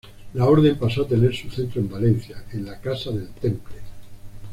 La Orden pasó a tener su centro en Valencia, en la casa del Temple.